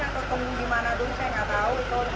atau tunggu dimana dulu saya gak tau itu